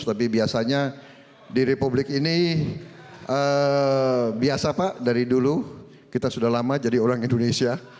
tapi biasanya di republik ini biasa pak dari dulu kita sudah lama jadi orang indonesia